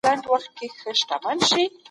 په تړلي ځای کې سګرټ مه څکوئ.